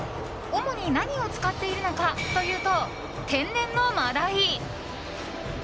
主に何を使っているのかというと天然の真鯛。